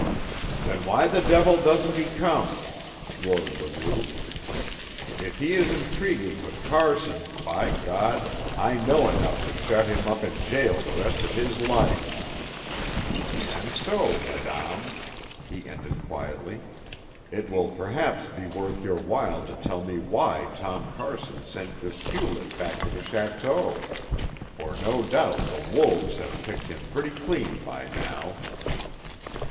"Then why the devil doesn't he come?" roared Leroux. "If he is intriguing with Carson, by God, I know enough to shut him up in jail the rest of his life. And so, madame," he ended quietly, "it will perhaps be worth your while to tell me why Tom Carson sent this Hewlett back to the château; for no doubt the wolves have picked him pretty clean by now."